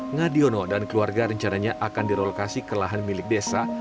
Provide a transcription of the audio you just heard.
ngadiono dan keluarga rencananya akan direlokasi ke lahan milik desa